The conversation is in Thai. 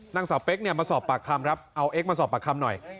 นางสาวเป๊กเนี่ยมาสอบปากคำครับเอาเอ็กมาสอบปากคำหน่อย